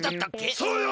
そうよ！